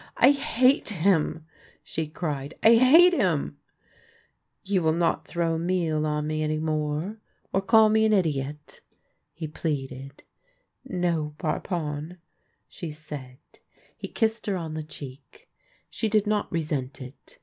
" I hate him !" she cried ;" I hate him !"" You will not throw meal on me any more, or call me idiot ?" he pleaded. " No, Parpon," she said. He kissed her on the cheek. She did not resent it.